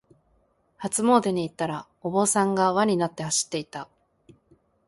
初詣に行ったら、お坊さんが輪になって走っていた。